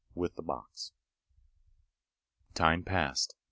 With the box. Time passed.